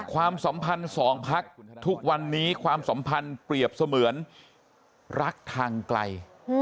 ความสัมพันธ์สองพักทุกวันนี้ความสัมพันธ์เปรียบเสมือนรักทางไกล